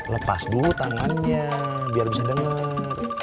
lepas dulu tangannya biar bisa denger